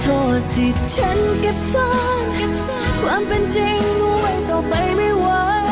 ขอโทษที่ฉันเก็บซ้อนความเป็นจริงไว้ต่อไปไม่ไหว